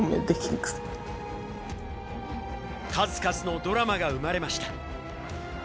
数々のドラマが生まれました。